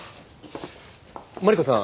マリコさん